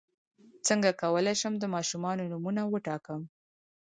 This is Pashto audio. څنګه کولی شم د ماشومانو نومونه وټاکم